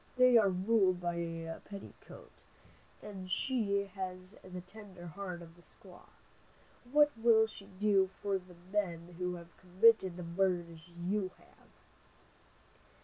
They are ruled by a petticoat, and she has the tender heart of a squaw. What will she do for the men who have committed the murders you have?"